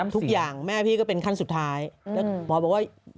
ทุกอย่างแม่พี่ก็เป็นขั้นสุดท้ายแล้วหมอบอกว่า